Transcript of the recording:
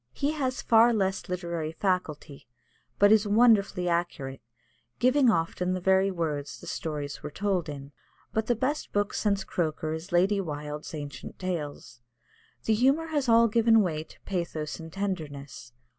He has far less literary faculty, but is wonderfully accurate, giving often the very words the stories were told in. But the best book since Croker is Lady Wilde's Ancient Legends. The humour has all given way to pathos and tenderness.